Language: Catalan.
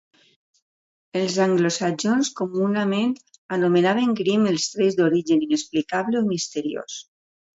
Els anglosaxons comunament anomenaven "grim" els trets d'origen inexplicable o misteriós.